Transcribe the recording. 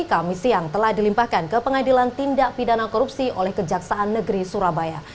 kami siang telah dilimpahkan ke pengadilan tindak pidana korupsi oleh kejaksaan negeri surabaya